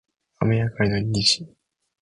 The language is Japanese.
雨上がりの虹